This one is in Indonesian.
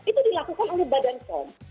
itu dilakukan oleh badan pom